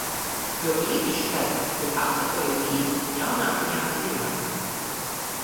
Jo īpaši tad, ja pasekoju līdzi jaunākajām ziņām...